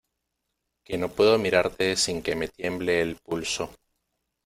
que no puedo mirarte sin que me tiemble el pulso.